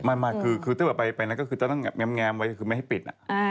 มาคือถ้าไปไปนั่นก็คือจะต้องแงบไว้ไม่ให้ปิด